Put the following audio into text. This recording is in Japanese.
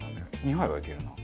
２杯はいけるな。